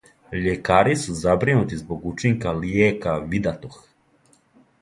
Љекари су забринути због учинка лијека "Видатоx".